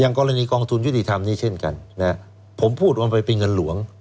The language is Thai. อย่างกรณีกองทุนยุทธิธรรมนี้เช่นกันนะฮะผมพูดว่ามันไปเป็นเงินหลวง